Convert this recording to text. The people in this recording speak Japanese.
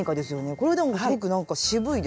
これでもすごくなんか渋いですね。